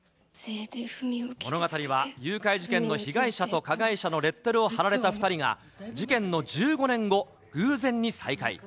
物語は誘拐事件の被害者と加害者のレッテルを貼られた２人が、事件の１５年後、偶然に再会。